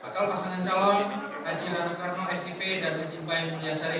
bakal pasangan calon haji radu karno sip dan haji mba emunia sari